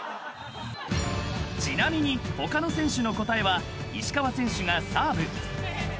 ［ちなみに他の選手の答えは石川選手がサーブ］